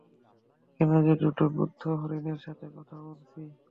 কেন যে দুটো বুদ্ধু হরিণের সাথে কথা বলছি?